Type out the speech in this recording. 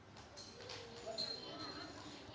cuaca yang bisa saya laporkan adalah